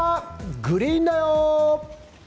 グリーンだよ」。